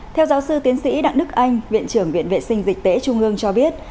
theo giáo sư tiến sĩ đặng đức anh viện trưởng viện vệ sinh dịch tễ trung ương cho biết